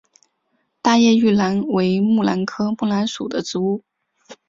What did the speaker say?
大叶玉兰为木兰科木兰属的植物。